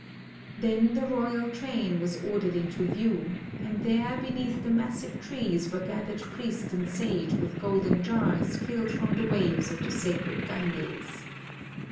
Then the royal train was ordered into view, and there beneath the massive trees were gathered priest and sage with golden jars filled from the waves of the sacred Ganges.